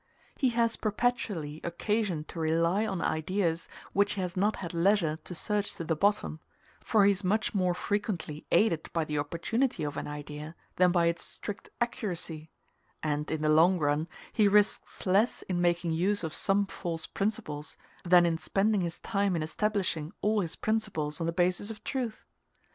He has perpetually occasion to rely on ideas which he has not had leisure to search to the bottom; for he is much more frequently aided by the opportunity of an idea than by its strict accuracy; and, in the long run, he risks less in making use of some false principles, than in spending his time in establishing all his principles on the basis of truth.